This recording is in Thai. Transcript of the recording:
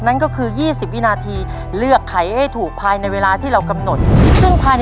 นั่นก็คือ๒๐วินาทีเลือกไขให้ถูกภายในเวลาที่เรากำหนดซึ่งภายใน